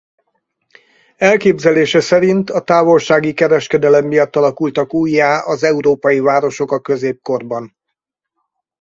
Elképzelése szerint a távolsági kereskedelem miatt alakultak újjá az európai városok a középkorban.